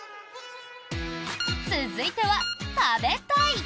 続いては、食べたい！